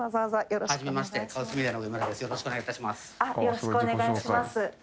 よろしくお願いします。